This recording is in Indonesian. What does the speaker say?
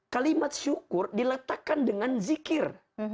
kalimat syukur diletakkan dengan zikir